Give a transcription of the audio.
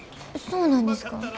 そうなんですか？